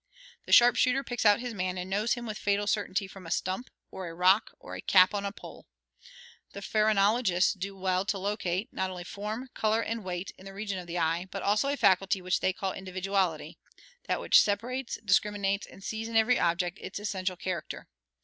The sharp shooter picks out his man and knows him with fatal certainty from a stump, or a rock, or a cap on a pole. The phrenologists do well to locate, not only form, color, and weight, in the region of the eye, but also a faculty which they call individuality that which separates, discriminates, and sees in every object its essential character.